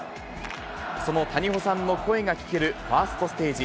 その谷保さんの声が聞けるファーストステージ。